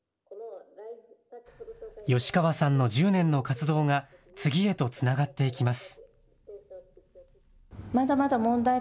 吉川さんの１０年の活動が次へとつながっていきます。